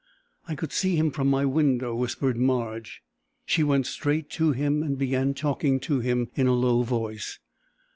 "I could see him from my window," whispered Marge. She went straight to him and began talking to him in a low voice.